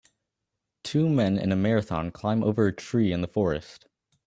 Two men in a marathon climb over a tree in the forest